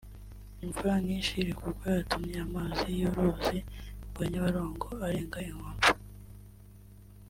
Imvura nyinshi iri kugwa yatumye amazi y’uruzi rwa Nyabarongo arenga inkombe